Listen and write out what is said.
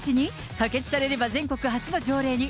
可決されれば全国初の条例に。